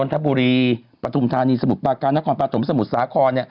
ทบุรีปฐุมธานีสมุทรปาการนครปฐมสมุทรสาคร